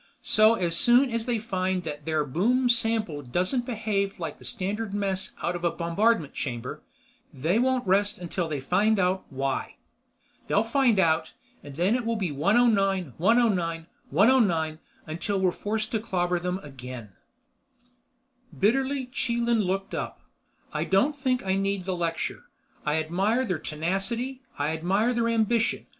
So as soon as they find that their boom sample doesn't behave like the standard mess out of a bombardment chamber, they won't rest until they find out why. They'll find out. Then it'll be 109, 109, 109 until we're forced to clobber them again." Bitterly Chelan looked up. "I don't think I need the lecture. I admire their tenacity. I admire their ambition.